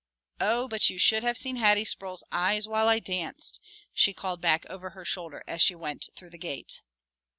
"Oh, but you should have seen Hattie Sproul's eyes while I danced," she called back over her shoulder as she went through the gate.